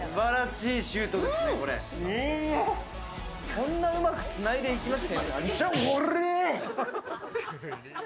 こんなうまくつないでいきます？